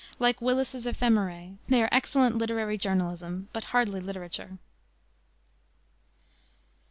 Like Willis's Ephemerae, they are excellent literary journalism, but hardly literature.